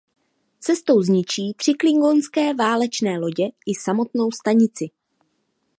Cestou zničí tři klingonské válečné lodě i samotnou stanici.